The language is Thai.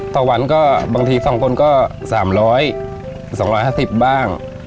ต่อวันก็บางที๒คนก็๓๐๐๒๕๐บ้าง